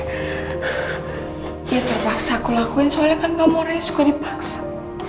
ya terpaksa aku lakuin soalnya kan kamu orangnya suka dipaksa